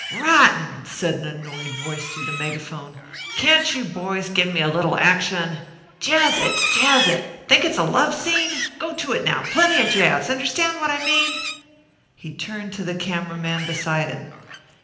"Rotten!" said an annoyed voice through the megaphone. "Can't you boys give me a little action? Jazz it, jazz it! Think it's a love scene? Go to it, now plenty of jazz understand what I mean?" He turned to the camera man beside him.